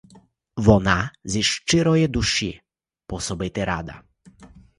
Вона зі щирої душі пособити рада.